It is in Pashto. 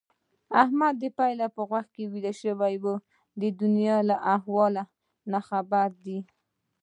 احمد د پيل په غوږ کې ويده دی؛ د دونيا له احواله ناخبره دي.